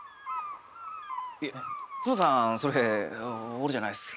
いやツボさんそれ俺じゃないです。